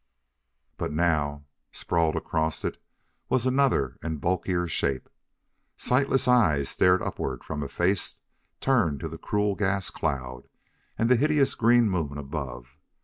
But now, sprawled across it, was another and bulkier shape. Sightless eyes stared upward from a face turned to the cruel gas clouds and the hideous green moon above.